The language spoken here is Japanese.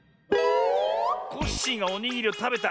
コッシーがおにぎりをたべた。